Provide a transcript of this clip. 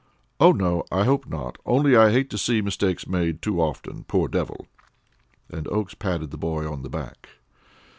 "Oh, no, I hope not; only I hate to see mistakes made too often. Poor devil!" And Oakes patted the boy on the back.